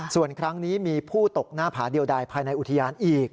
ส่วนครั้งนี้มีผู้ตกหน้าผาเดียวใดภายในอุทยานอีก